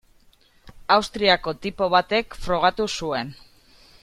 Austriako tipo batek frogatu zuen.